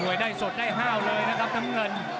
ได้สดได้ห้าวเลยนะครับน้ำเงิน